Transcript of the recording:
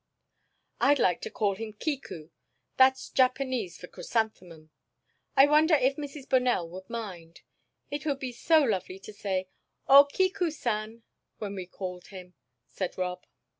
"I'd like to call him Kiku that's Japanese for chrysanthemum. I wonder if Mrs. Bonell would mind? It would be so lovely to say: 'O Kiku san,' when we called him," said Rob.